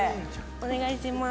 お願いします。